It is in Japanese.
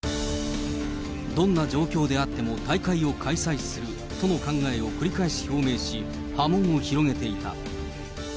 どんな状況であっても大会を開催するとの考えを繰り返し表明し、波紋を広げていた。